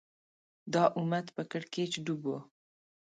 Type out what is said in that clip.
دا امت په کړکېچ ډوب و